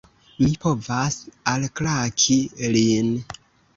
Mi povas alklaki lin!